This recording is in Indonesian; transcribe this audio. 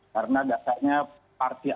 karena dasarnya parti